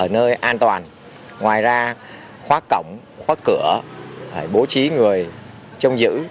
nơi an toàn ngoài ra khóa cổng khóa cửa bố trí người trong giữ